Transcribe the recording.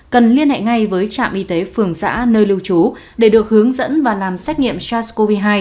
cần liên hệ ngay với trạm y tế phường xã nơi lưu trú để được hướng dẫn và làm xét nghiệm sars cov hai